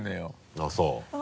あぁそう？